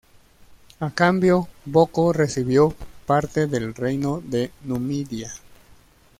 A cambio, Boco recibió parte del reino de Numidia.